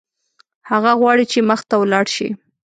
هغه غواړي چې مخته ولاړ شي.